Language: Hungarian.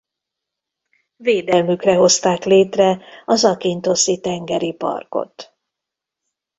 Védelmükre hozták létre a Zakinthoszi Tengeri Parkot.